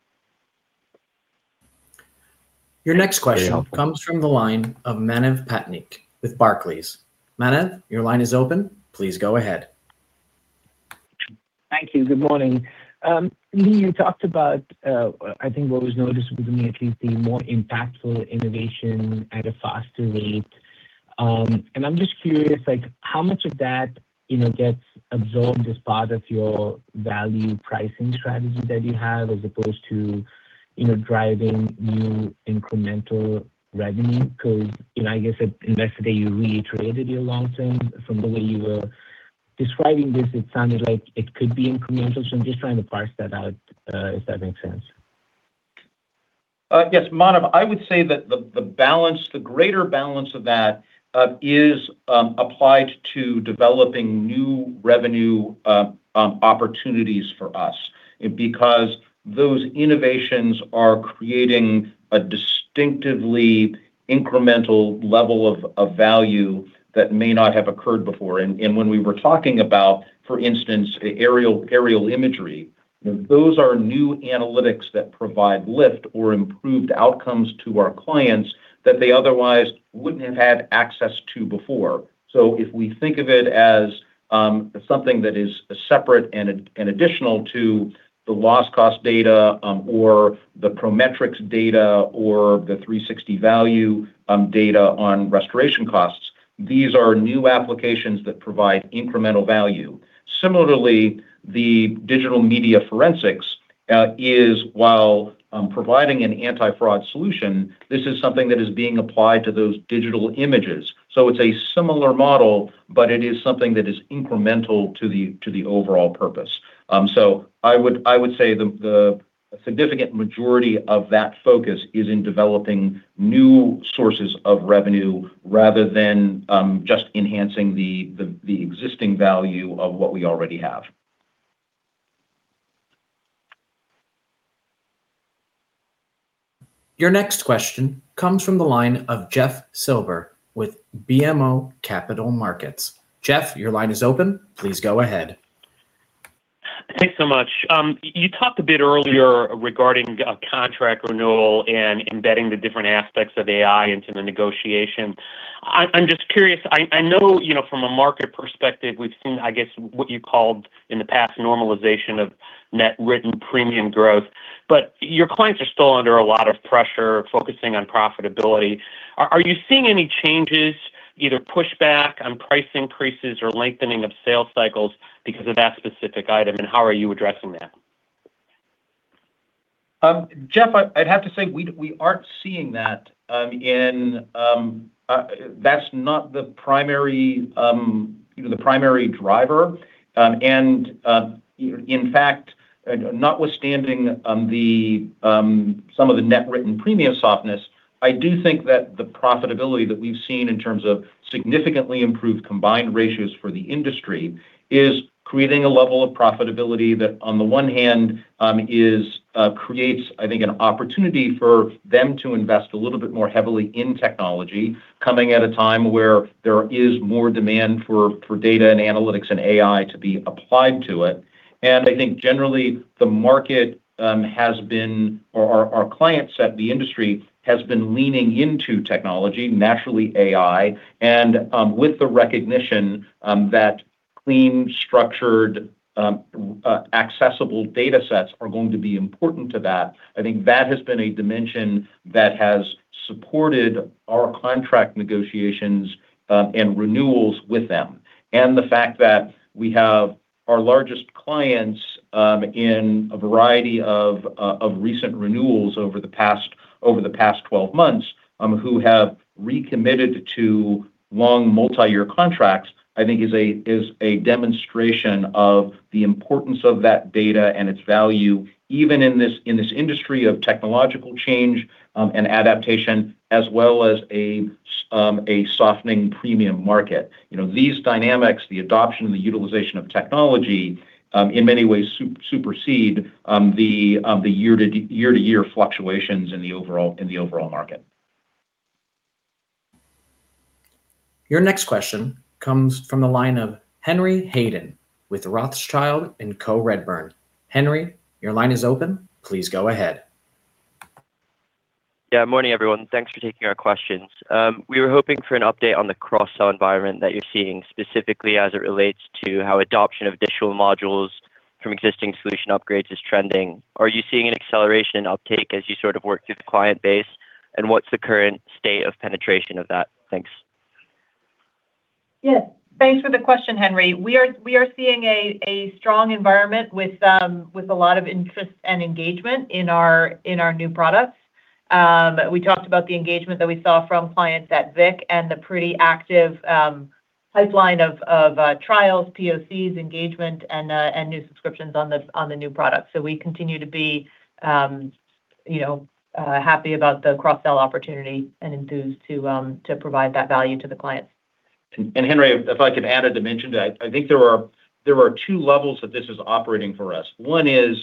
Your next question comes from the line of Manav Patnaik with Barclays. Manav, your line is open. Please go ahead. Thank you. Good morning. Lee, you talked about, I think what was noticeable to me at least, the more impactful innovation at a faster rate. I'm just curious, like, how much of that, you know, gets absorbed as part of your value pricing strategy that you have, as opposed to, you know, driving new incremental revenue? You know, I guess, unless today you reiterated your long term, from the way you were describing this, it sounded like it could be incremental. I'm just trying to parse that out, if that makes sense. Yes, Manav, I would say that the balance, the greater balance of that, is applied to developing new revenue opportunities for us. Those innovations are creating a distinctively incremental level of value that may not have occurred before. When we were talking about, for instance, aerial imagery, those are new analytics that provide lift or improved outcomes to our clients that they otherwise wouldn't have had access to before. If we think of it as something that is separate and additional to the loss cost data or the ProMetrix data or the 360Value data on restoration costs, these are new applications that provide incremental value. Similarly, Digital Media Forensics is while providing an anti-fraud solution, this is something that is being applied to those digital images. It's a similar model, but it is something that is incremental to the overall purpose. I would say the significant majority of that focus is in developing new sources of revenue rather than, just enhancing the existing value of what we already have. Your next question comes from the line of Jeff Silber with BMO Capital Markets. Jeff, your line is open. Please go ahead. Thanks so much. You talked a bit earlier regarding a contract renewal and embedding the different aspects of AI into the negotiation. I'm just curious, I know, you know, from a market perspective, we've seen, I guess, what you called in the past normalization of net written premium growth, but your clients are still under a lot of pressure focusing on profitability. Are you seeing any changes, either pushback on price increases or lengthening of sales cycles because of that specific item, and how are you addressing that? Jeff, I'd have to say we aren't seeing that, in, that's not the primary, you know, the primary driver. In fact, notwithstanding, the, some of the net written premium softness, I do think that the profitability that we've seen in terms of significantly improved combined ratios for the industry is creating a level of profitability that, on the one hand, is, creates, I think, an opportunity for them to invest a little bit more heavily in technology, coming at a time where there is more demand for data and analytics and AI to be applied to it. I think generally the market, has been, or our client set, the industry, has been leaning into technology, naturally AI. With the recognition that clean, structured, accessible data sets are going to be important to that, I think that has been a dimension that has supported our contract negotiations and renewals with them. The fact that we have our largest clients in a variety of recent renewals over the past, over the past 12 months, who have recommitted to long multi-year contracts, I think is a demonstration of the importance of that data and its value, even in this, in this industry of technological change and adaptation, as well as a softening premium market. You know, these dynamics, the adoption and the utilization of technology, in many ways supersede the year-to-year fluctuations in the overall, in the overall market. Your next question comes from the line of Henry Hayden with Rothschild & Co Redburn. Henry, your line is open. Please go ahead. Yeah, morning everyone. Thanks for taking our questions. We were hoping for an update on the cross-sell environment that you're seeing, specifically as it relates to how adoption of digital modules from existing solution upgrades is trending. Are you seeing an acceleration uptake as you sort of work through the client base? And what's the current state of penetration of that? Thanks. Thanks for the question, Henry. We are seeing a strong environment with a lot of interest and engagement in our new products. We talked about the engagement that we saw from clients at VIC and the pretty active pipeline of trials, POCs, engagement, and new subscriptions on the new product. We continue to be, you know, happy about the cross-sell opportunity and enthused to provide that value to the client. Henry, if I could add a dimension to that, I think there are two levels that this is operating for us. One is,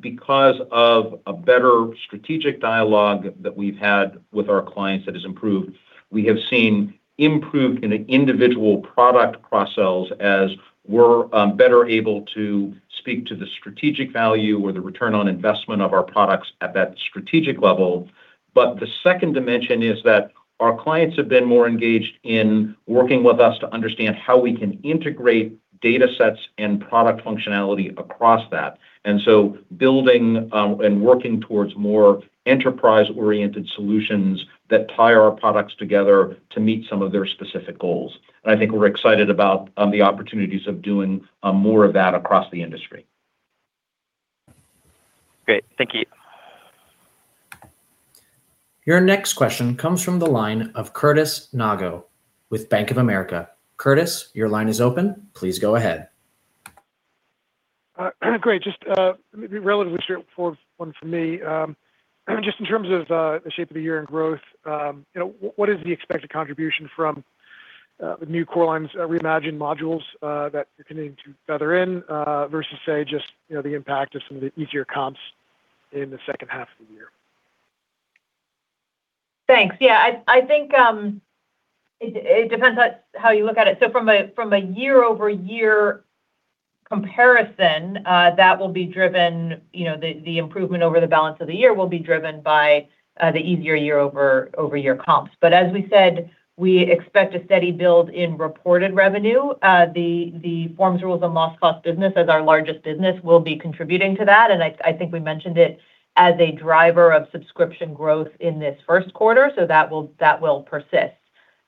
because of a better strategic dialogue that we've had with our clients that has improved, we have seen improved in an individual product cross-sells as we're better able to speak to the strategic value or the return on investment of our products at that strategic level. The second dimension is that our clients have been more engaged in working with us to understand how we can integrate data sets and product functionality across that. Building and working towards more enterprise-oriented solutions that tie our products together to meet some of their specific goals. I think we're excited about the opportunities of doing more of that across the industry. Great. Thank you. Your next question comes from the line of Curtis Nagle with Bank of America. Curtis, your line is open. Please go ahead. Great. Just, maybe relatively straightforward one for me. Just in terms of, the shape of the year in growth, you know, what is the expected contribution from, the new Core Lines Reimagined modules, that you're continuing to feather in, versus, say, just, you know, the impact of some of the easier comps in the H2 of the year? Thanks. Yeah, I think it depends on how you look at it. From a year-over-year comparison, that will be driven, you know, the improvement over the balance of the year will be driven by the easier year-over-year comps. As we said, we expect a steady build in reported revenue. The forms rules and loss cost business as our largest business will be contributing to that. I think we mentioned it as a driver of subscription growth in this first quarter, that will persist.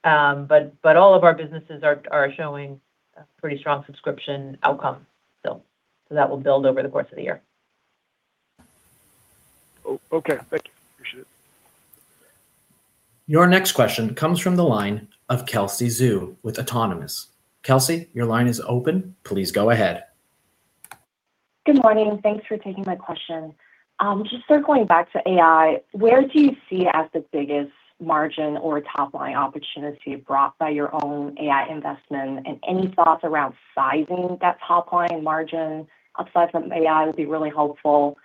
But all of our businesses are showing a pretty strong subscription outcome still, that will build over the course of the year. Oh, okay. Thank you. Appreciate it. Your next question comes from the line of Kelsey Zhu with Autonomous. Kelsey, your line is open. Please go ahead. Good morning and thanks for taking my question. Just circling back to AI, where do you see as the biggest margin or top-line opportunity brought by your own AI investment? Any thoughts around sizing that top-line margin upside from AI would be really helpful.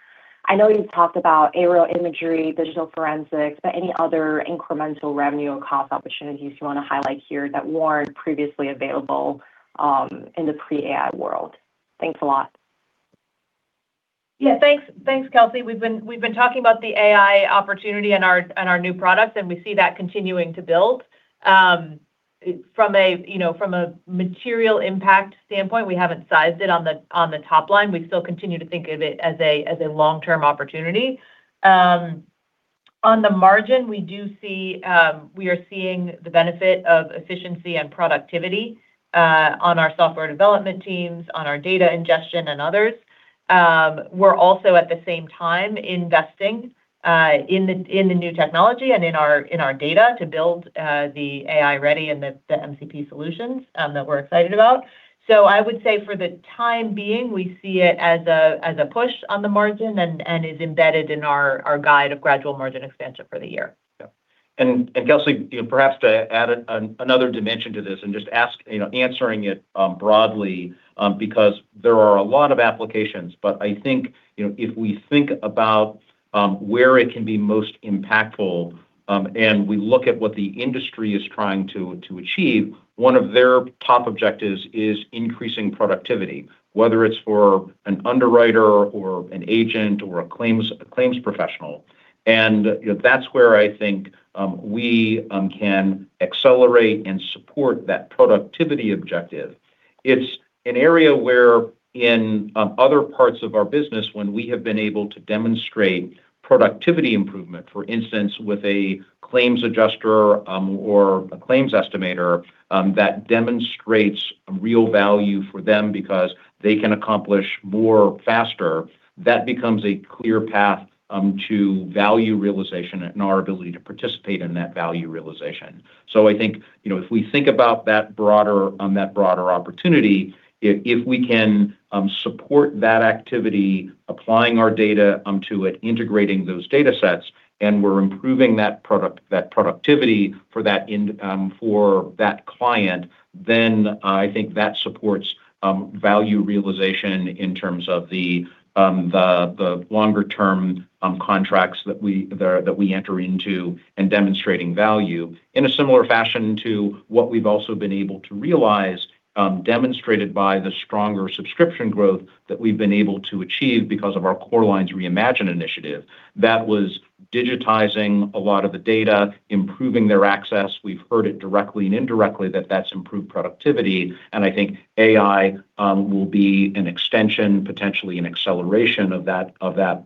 I know you've talked about aerial imagery, Digital Forensics, but any other incremental revenue or cost opportunities you want to highlight here that weren't previously available in the pre-AI world? Thanks a lot. Thanks. Thanks, Kelsey. We've been talking about the AI opportunity in our new products, and we see that continuing to build. From a, you know, from a material impact standpoint, we haven't sized it on the top line. We still continue to think of it as a long-term opportunity. On the margin, we do see, we are seeing the benefit of efficiency and productivity on our software development teams, on our data ingestion and others. We're also, at the same time, investing in the new technology and in our data to build the AI-ready and the MCP solutions that we're excited about. I would say for the time being, we see it as a, as a push on the margin and is embedded in our guide of gradual margin expansion for the year. Yeah. Kelsey, you know, perhaps to add another dimension to this and just ask, you know, answering it broadly, because there are a lot of applications. I think, you know, if we think about where it can be most impactful, and we look at what the industry is trying to achieve, one of their top objectives is increasing productivity, whether it's for an underwriter or an agent or a claims professional. You know, that's where I think we can accelerate and support that productivity objective. It's an area where in other parts of our business, when we have been able to demonstrate productivity improvement, for instance, with a claims adjuster, or a claims estimator, that demonstrates real value for them because they can accomplish more faster, that becomes a clear path to value realization and our ability to participate in that value realization. I think, you know, if we think about that broader, that broader opportunity, if we can support that activity, applying our data to it, integrating those data sets, and we're improving that productivity for that client. I think that supports value realization in terms of the longer term contracts that we enter into and demonstrating value. In a similar fashion to what we've also been able to realize, demonstrated by the stronger subscription growth that we've been able to achieve because of our Core Lines Reimagine initiative. That was digitizing a lot of the data, improving their access. We've heard it directly and indirectly that that's improved productivity, and I think AI will be an extension, potentially an acceleration of that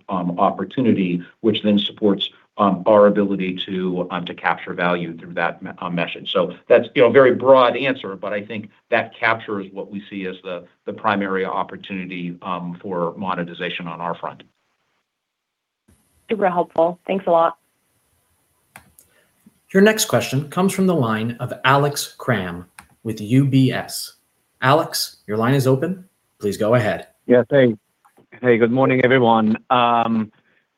opportunity, which then supports our ability to capture value through that message. That's, you know, a very broad answer, but I think that captures what we see as the primary opportunity for monetization on our front. Super helpful. Thanks a lot. Your next question comes from the line of Alex Kramm with UBS. Alex, your line is open. Please go ahead. Yeah, thanks. Hey, good morning everyone.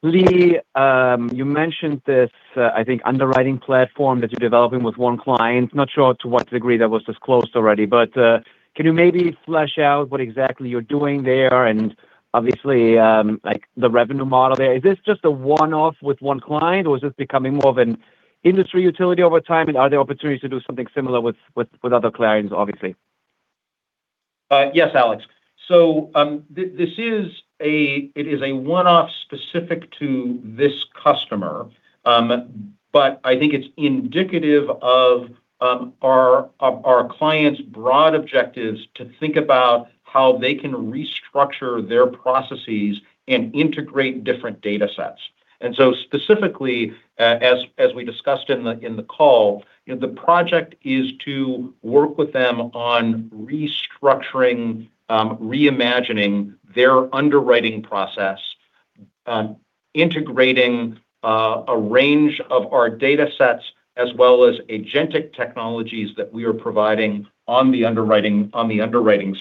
Lee, you mentioned this, I think underwriting platform that you're developing with one client. Not sure to what degree that was disclosed already, but can you maybe flesh out what exactly you're doing there and obviously, like the revenue model there? Is this just a one-off with one client, or is this becoming more of an industry utility over time, and are there opportunities to do something similar with other clients, obviously? Yes, Alex. It is a one-off specific to this customer. I think it's indicative of our client's broad objectives to think about how they can restructure their processes and integrate different data sets. Specifically, as we discussed in the call, you know, the project is to work with them on restructuring, reimagining their underwriting process, integrating a range of our data sets as well as agentic technologies that we are providing on the underwriting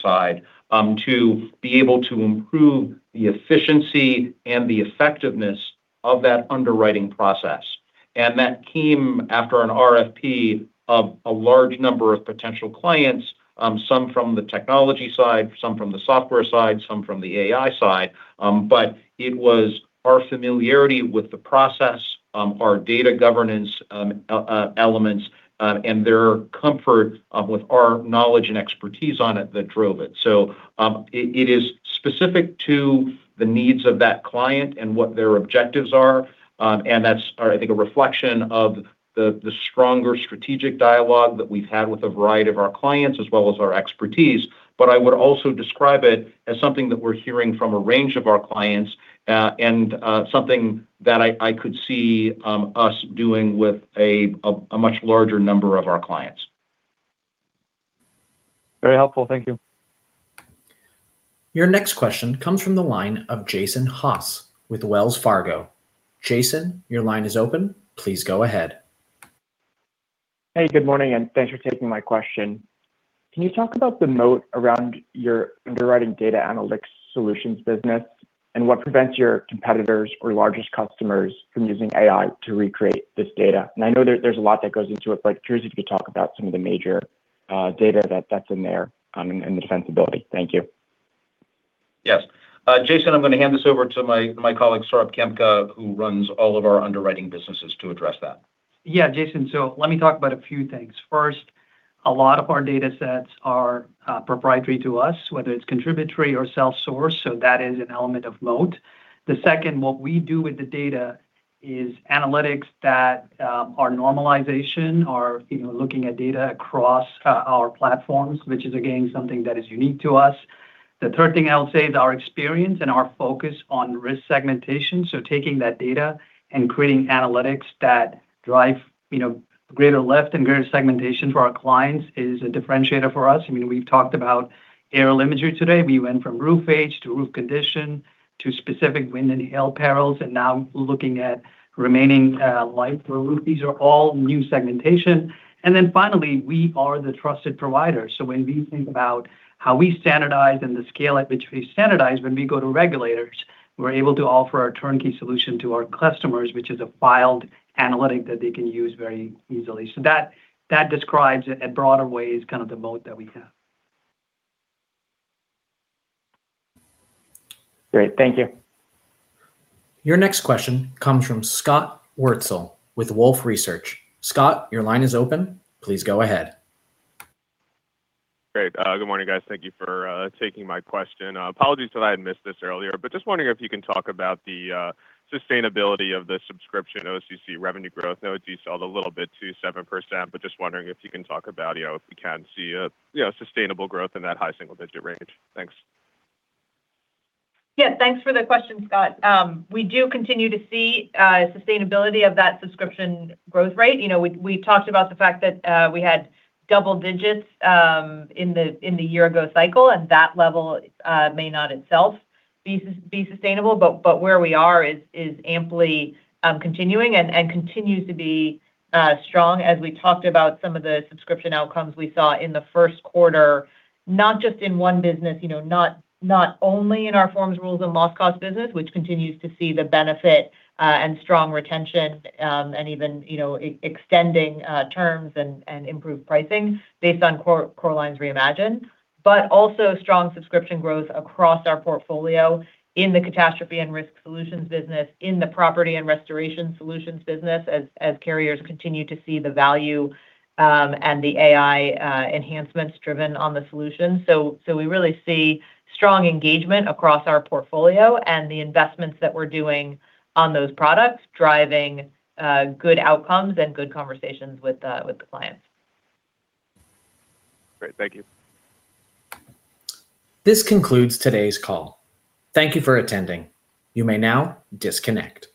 side, to be able to improve the efficiency and the effectiveness of that underwriting process. That came after an RFP of a large number of potential clients, some from the technology side, some from the software side, some from the AI side. It was our familiarity with the process, our data governance, elements, and their comfort with our knowledge and expertise on it that drove it. It, it is specific to the needs of that client and what their objectives are, and that's, I think, a reflection of the stronger strategic dialogue that we've had with a variety of our clients as well as our expertise. I would also describe it as something that we're hearing from a range of our clients, and something that I could see us doing with a much larger number of our clients. Very helpful, thank you. Your next question comes from the line of Jason Haas with Wells Fargo. Jason, your line is open. Please go ahead. Hey, good morning and thanks for taking my question. Can you talk about the moat around your underwriting data analytics solutions business, and what prevents your competitors or largest customers from using AI to recreate this data? I know there's a lot that goes into it, but curious if you could talk about some of the major, data that's in there, and the defensibility. Thank you. Yes. Jason, I'm gonna hand this over to my colleague, Saurabh Khemka, who runs all of our underwriting businesses, to address that. Jason, let me talk about a few things. First, a lot of our data sets are proprietary to us, whether it's contributory or self-sourced, that is an element of moat. The second, what we do with the data is analytics that are normalization or, you know, looking at data across our platforms, which is again, something that is unique to us. The third thing I'll say is our experience and our focus on risk segmentation, taking that data and creating analytics that drive, you know, greater lift and greater segmentation for our clients is a differentiator for us. I mean, we've talked about aerial imagery today. We went from roof age to roof condition to specific wind and hail perils, and now looking at remaining life for a roof. These are all new segmentation. Finally, we are the trusted provider. When we think about how we standardize and the scale at which we standardize when we go to regulators, we're able to offer our turnkey solution to our customers, which is a filed analytic that they can use very easily. That describes it at broader ways kind of the moat that we have. Great. Thank you. Your next question comes from Scott Wurtzel with Wolfe Research. Scott, your line is open. Please go ahead. Great. Good morning guys. Thank you for taking my question. Apologies that I had missed this earlier, just wondering if you can talk about the sustainability of the subscription OCC revenue growth. I know it decelerated a little bit to 7%, just wondering if you can talk about, you know, if you can see a, you know, sustainable growth in that high single-digit range. Thanks. Yeah, thanks for the question, Scott. We do continue to see sustainability of that subscription growth rate. You know, we've talked about the fact that we had double digits in the year ago cycle, and that level may not itself be sustainable. Where we are is amply continuing and continues to be strong as we talked about some of the subscription outcomes we saw in the first quarter, not just in 1 business. You know, not only in our forms, rules, and loss cost business, which continues to see the benefit and strong retention, and even, you know, extending terms and improved pricing based on Core Lines Reimagined, but also strong subscription growth across our portfolio in the catastrophe and risk solutions business, in the property and restoration solutions business as carriers continue to see the value and the AI enhancements driven on the solution. We really see strong engagement across our portfolio and the investments that we're doing on those products driving good outcomes and good conversations with the clients. Great. Thank you. This concludes today's call. Thank you for attending. You may now disconnect.